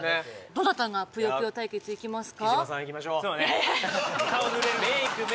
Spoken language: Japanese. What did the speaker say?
どなたがぷよぷよ対決いきますか？